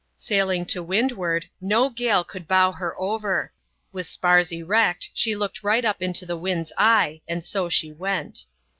Sailing to wind ward, no gale could bow her over : with spars erect, she looked right up into the wind's eye, and so she went.